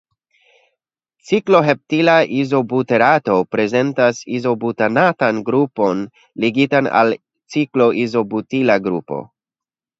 Cikloheptila izobuterato prezentas izobutanatan grupon ligitan al cikloizobutila grupo.